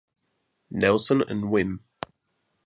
Nelson and Wm.